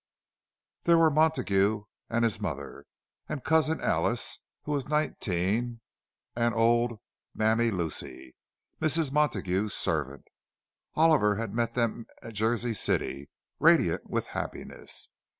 There were Montague and his mother, and Cousin Alice, who was nineteen, and old "Mammy Lucy," Mrs. Montague's servant. Oliver had met them at Jersey City, radiant with happiness.